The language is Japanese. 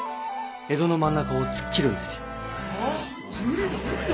江戸の真ん中を突っ切るんですよ。